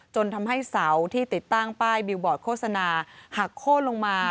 จนทำให้เสาที่ติดตั้งป้ายบิวบอร์ดโฆษณาหักโค้นลงมา